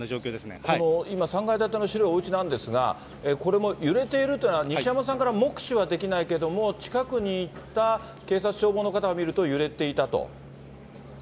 この今、３階建ての白いおうちなんですが、これも揺れているというのは、西山さんから目視はできないけれども、近くにいた警察、消防の方が見ると、揺れていたと？